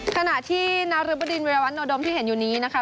ขณะที่นรึบดินวิรวัตโนดมที่เห็นอยู่นี้นะคะ